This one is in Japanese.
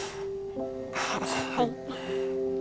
はい。